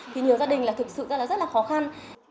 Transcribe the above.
thì nhiều gia đình là thực sự rất là khó khăn